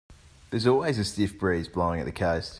There's always a stiff breeze blowing at the coast.